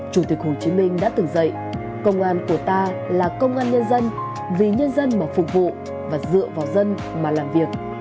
chủ tịch hồ chí minh đã từng dạy công an của ta là công an nhân dân vì nhân dân mà phục vụ và dựa vào dân mà làm việc